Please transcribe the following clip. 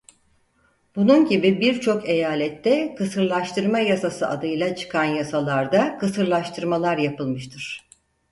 Bunun gibi birçok eyalette kısırlaştırma yasası adıyla çıkan yasalarda kısırlaştırmalar yapılmıştır.